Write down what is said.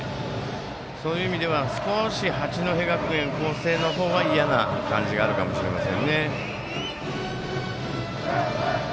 そういう意味では少し八戸学院光星の方が嫌な感じがあるかもしれません。